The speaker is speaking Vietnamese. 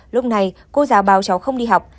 lúc này cô giáo báo cháu không đi học